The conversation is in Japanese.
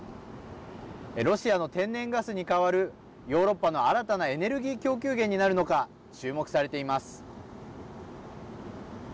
ロシアの天然ガスに代わるヨーロッパの新たなエネルギー供給源になるのか注目されています。